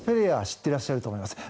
知ってらっしゃると思います。